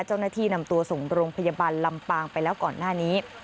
เจ้าหน้าที่นำตัวส่งโรงพยาบาลลำปางไปแล้วก่อนหน้านี้